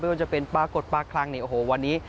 ว่าจะเป็นปรากฏปลาคลังเนี่ยโอ้โหวันนี้